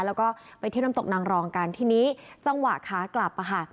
แล้วก็ไปเที่ยวน้ำตกนางรองกันทีนี้จังหวะขากลับอ่ะค่ะ